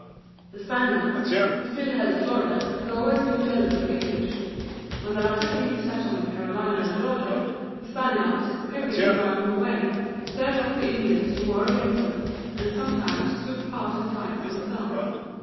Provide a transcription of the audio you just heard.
The Spaniards, who still held Florida, had always been jealous of the English. When the latter came to settle in Carolina and Georgia, the Spaniards, hoping to drive them away, stirred up the Indians to war against them, and sometimes took part in the fights themselves.